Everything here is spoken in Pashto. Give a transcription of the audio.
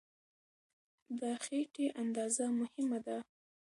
د خېټې اندازه مهمه ده.